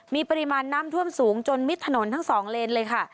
มีปริมาณน้ำท่วมสูงจนมิดถนนทั้งสองเลนเลยค่ะ